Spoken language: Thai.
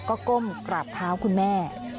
ก็ก้มกราบเท้าคุณแม่